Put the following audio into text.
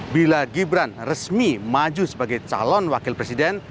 bila gibran resmi maju sebagai calon wakil presiden